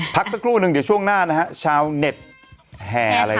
พักสักครู่หนึ่งเดี๋ยวช่วงหน้านะฮะชาวเน็ตแห่อะไร